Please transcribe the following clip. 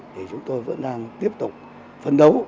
thì chúng tôi vẫn đang tiếp tục phấn đấu